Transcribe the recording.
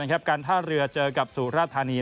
การท่าเรือเจอกับสุราธานี